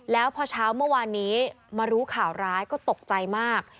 แล้วพอเช้าเมื่อวานนี้มารู้ข่าวร้ายก็ตกใจมาก